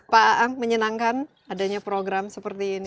pak aang menyenangkan adanya program seperti ini